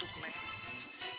udah deh ah